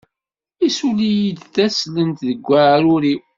Issuli-yi-d taslent deg waɛrur-iw.